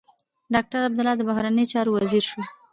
ډاکټر عبدالله د بهرنيو چارو وزیر شو.